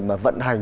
mà vận hành